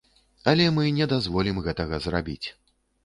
Але мы не дазволім гэтага зрабіць.